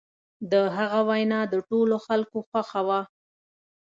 د هغه وینا د ټولو خلکو خوښه وه.